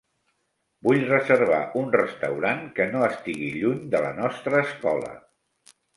Vull reservar un restaurant que no estigui lluny de la nostra escola.